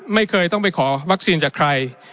ไม่เคยต้องไปขอวัคซีนจากใคร